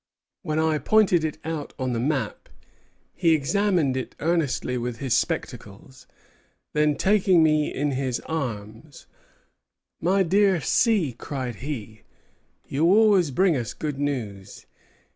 When I pointed it out on the map, he examined it earnestly with his spectacles; then, taking me in his arms, My dear C., cried he, you always bring us good news.